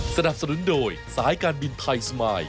สนับสนุนโดยสายการบินไทยสมาย